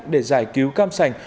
để giải cứu cam sành